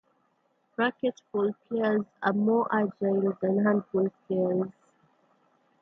Racquetball players are more agile than handball players.